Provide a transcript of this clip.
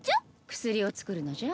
薬を作るのじゃ。